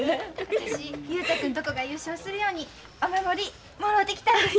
私雄太君とこが優勝するようにお守りもろうてきたんです。